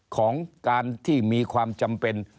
ของการที่มีความจำเป็น